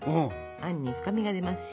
あんに深みが出ますし。